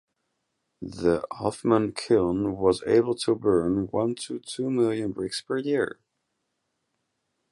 The Hoffmann kiln was able to burn one to two million bricks per year.